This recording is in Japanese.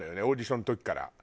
オーディションの時から。